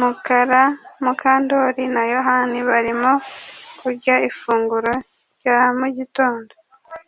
Mukara Mukandoli na Yohani barimo kurya ifunguro rya mu gitondo